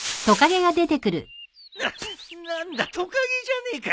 な何だトカゲじゃねえか。